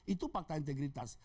itu fakta integritas